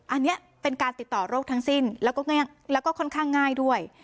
อันนี้เป็นการติดต่อโรคทั้งสิ้นแล้วก็ค่อนข้างง่ายด้วย